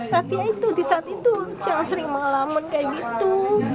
tapi itu di saat itu siang sering mengalaman kayak gitu